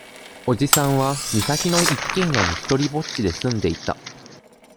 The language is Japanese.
叔父さんは、岬の一軒家に独りぼっちで住んでいた。